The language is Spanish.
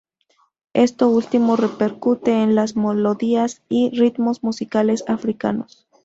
Esto último repercute en las melodías y ritmos musicales africanos.